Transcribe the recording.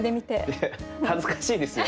いや恥ずかしいですよ